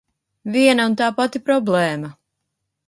Viena un tā pati problēma!